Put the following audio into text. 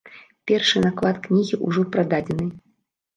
Першы наклад кнігі ўжо прададзены.